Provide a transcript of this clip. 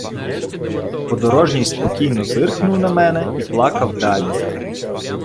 Подорожній спокійно зиркнув на мене і плакав далі.